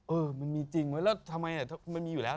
เออมันมีจริงเว้ยแล้วทำไมมันมีอยู่แล้ว